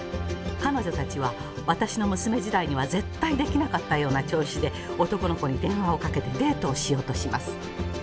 彼女たちは私の娘時代には絶対できなかったような調子で男の子に電話をかけてデートをしようとします。